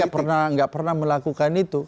tapi kita nggak pernah melakukan itu